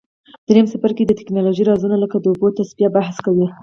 دریم څپرکی د تکنالوژۍ رازونه لکه د اوبو تصفیه بحث کوي.